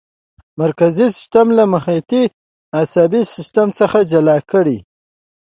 مرکزي سیستم له محیطي عصبي سیستم څخه جلا کړئ.